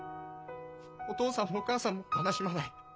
「お父さんもお母さんも悲しまない。